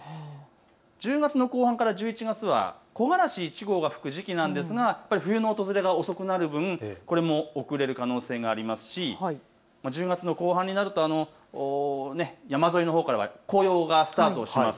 １０月の後半から１１月は木枯らし１号が吹く時期なんですが冬の訪れが遅くなる分これも遅れる可能性がありますし１０月の後半になると山沿いのほうからは紅葉がスタートします。